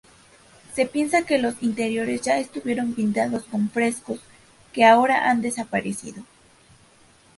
Se piensa que los interiores ya estuvieron pintados con frescos, que ahora han desaparecido.